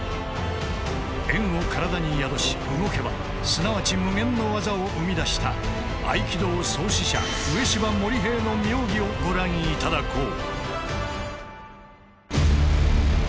円を体に宿し動けばすなわち無限の技を生み出した合気道創始者植芝盛平の妙技をご覧頂こう。